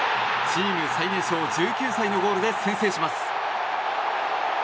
チーム最年少の１９歳のゴールで先制します。